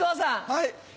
はい。